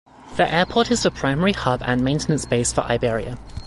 The airport is the primary hub and maintenance base for Iberia.